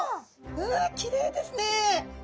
うわきれいですね！